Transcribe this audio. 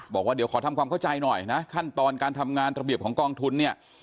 บอกว่าเดี๋ยวขอทำความเข้าใจหน่อยนะขั้นตอนการทำงานระเบียบของกองทุนเนี่ย